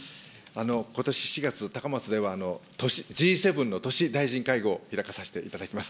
ことし月、高松では、Ｇ７のとし大臣会合を開かさせていただきます。